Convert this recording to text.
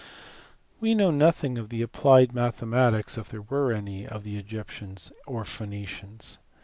We know nothing of the applied mathematics (if there were any) of the Egyptians or Phoenicians.